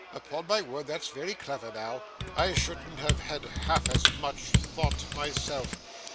Upon my word, that's very clever now! I shouldn't have had half as much thought myself!